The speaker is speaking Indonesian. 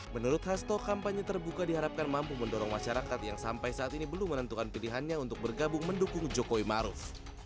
menurut hasto kampanye terbuka diharapkan mampu mendorong masyarakat yang sampai saat ini belum menentukan pilihannya untuk bergabung mendukung jokowi maruf